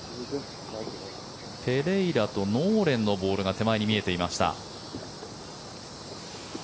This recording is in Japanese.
ペレイラとノーレンのボールが手前に見えていました。